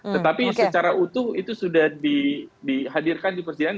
tetapi secara utuh itu sudah dihadirkan di persidangan